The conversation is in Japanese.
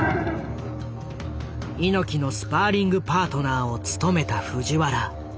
猪木のスパーリングパートナーを務めた藤原。